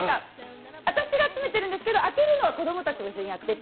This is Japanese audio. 私が集めているんですけど、開けるのは子供たちと一緒にやってて。